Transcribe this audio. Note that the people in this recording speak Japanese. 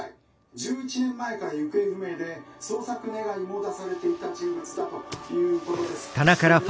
１１年前から行方不明で捜索願いも出されていた人物だということです。